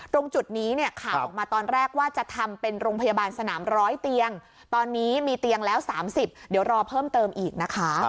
ตรงจุดนี้เนี่ยข่าวออกมาตอนแรกว่าจะทำเป็นโรงพยาบาลสนาม๑๐๐เตียงตอนนี้มีเตียงแล้ว๓๐เดี๋ยวรอเพิ่มเติมอีกนะคะ